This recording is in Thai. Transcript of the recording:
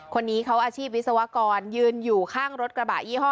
คนนี้เขาอาชีพวิศวกรยืนอยู่ข้างรถกระบะยี่ห้อ